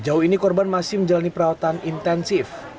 jauh ini korban masih menjalani perawatan intensif